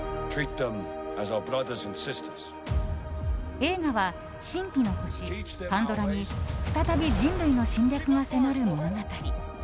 映画は神秘の星パンドラに再び人類の侵略が迫る物語。